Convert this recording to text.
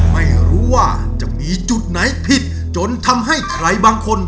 ไม่รู้ว่าจะมีจุดไหนผิดจนทำให้ใครบางคน